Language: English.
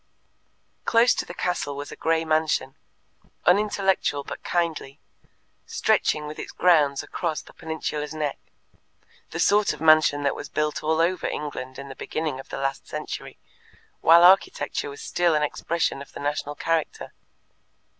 Close to the castle was a grey mansion, unintellectual but kindly, stretching with its grounds across the peninsula's neck the sort of mansion that was built all over England in the beginning of the last century, while architecture was still an expression of the national character.